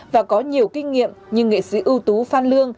và có nhiều kinh nghiệm như nghệ sĩ ưu tú phan lương